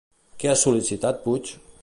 Què ha sol·licitat Puig?